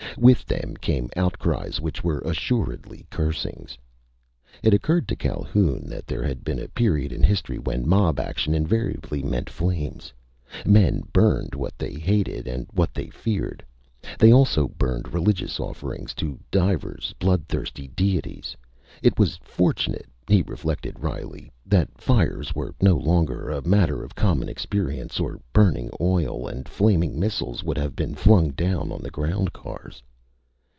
With them came outcries which were assuredly cursings. It occurred to Calhoun that there had been a period in history when mob action invariably meant flames. Men burned what they hated and what they feared. They also burned religious offerings to divers bloodthirsty deities. It was fortunate, he reflected wryly, that fires were no longer a matter of common experience, or burning oil and flaming missiles would have been flung down on the ground cars.